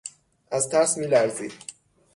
از ترس میلرزید.